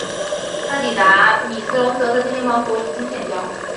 他抵达米斯龙德的精灵王国重新建交。